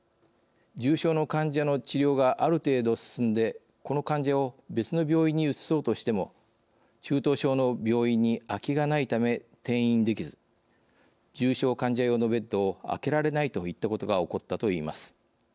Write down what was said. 重症の患者の治療がある程度進んで、この患者を別の病院に移そうとしても中等症の病院に空きがないため転院できず重症患者用のベッドを空けられないといったことが起こったといいます。